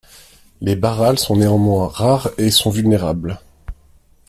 Les bharals sont néanmoins rares et sont vulnérables.